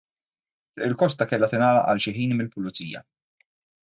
Triq il-Kosta kellha tingħalaq għal xi ħin mill-Pulizija.